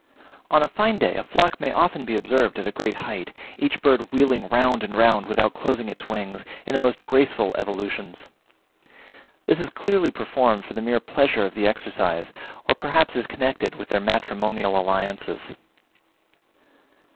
On a fine day a flock may often be observed at a great height, each bird wheeling round and round without closing its wings, in the most graceful evolutions. This is clearly performed for the mere pleasure of the exercise, or perhaps is connected with their matrimonial alliances.